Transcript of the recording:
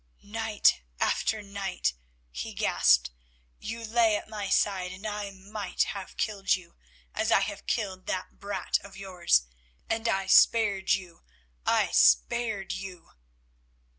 "Night after night," he gasped, "you lay at my side, and I might have killed you, as I have killed that brat of yours—and I spared you, I spared you."